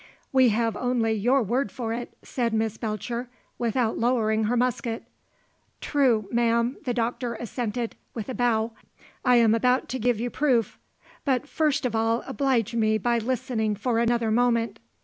"We have only your word for it," said Miss Belcher, without lowering her musket. "True, ma'am," the Doctor assented, with a bow. "I am about to give you proof. But first of all oblige me by listening for another moment."